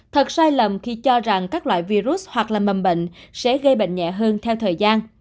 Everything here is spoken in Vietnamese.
thật sai lầm khi cho rằng các loại virus hoặc là mầm bệnh sẽ gây bệnh nhẹ hơn theo thời gian